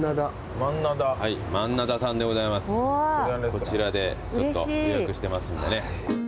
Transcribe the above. こちらでちょっと予約してますんでね。